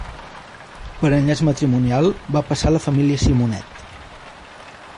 Per enllaç matrimonial va passar a la família Simonet.